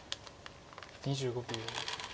２５秒。